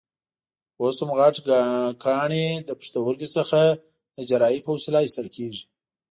اوس هم غټ کاڼي له پښتورګو څخه د جراحۍ په وسیله ایستل کېږي.